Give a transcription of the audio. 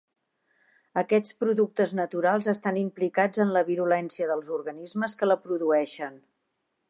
Aquests productes naturals estan implicats en la virulència dels organismes que la produeixen.